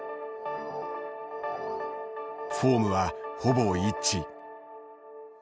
フォームはほぼ一致。